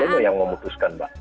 bagaimana yang memutuskan mbak